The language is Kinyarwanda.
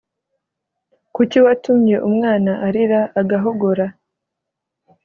Kuki watumye umwana arira agahogora